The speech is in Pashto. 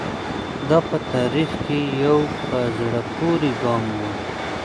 دا په تاریخ کې یو په زړه پورې ګام و.